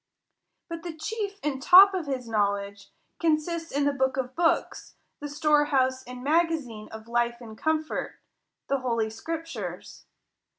But the chief and top of his knowledge consists in the book of books, the storehouse and magazine of life and comfort, the holy scriptures.